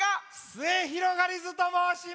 すゑひろがりずともうします！